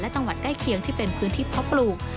และจังหวัดใกล้เคียงที่เป็นพื้นที่เพาะปลูก